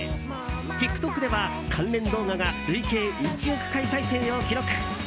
ＴｉｋＴｏｋでは関連動画が累計１億回再生を記録。